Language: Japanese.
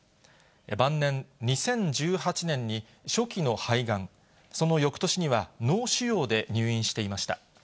晩年、２０１８年に初期の肺がん、そのよくとしには脳腫瘍で入院していました。